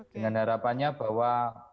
dengan harapannya bahwa